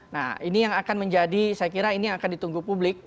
nah ini yang akan menjadi saya kira ini yang akan ditunggu publik